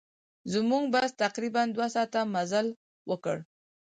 زموږ بس تقریباً دوه ساعته مزل وکړ.